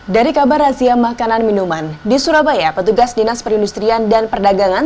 dari kabar razia makanan minuman di surabaya petugas dinas perindustrian dan perdagangan